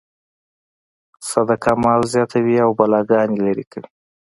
صدقه مال زیاتوي او بلاګانې لرې کوي.